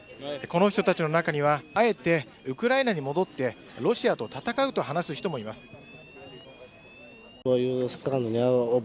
この人たちの中にはあえて、ウクライナに戻ってロシアと戦うと話す人もいます。